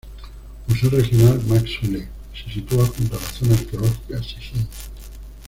Museo regional Max Uhle: Se sitúa junto a la zona arqueológica Sechín.